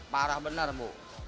parah benar bu